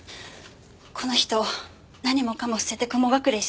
この人何もかも捨てて雲隠れしたんですよ。